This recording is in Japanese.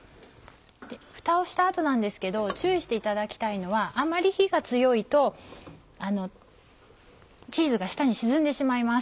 ふたをした後なんですけど注意していただきたいのはあまり火が強いとチーズが下に沈んでしまいます。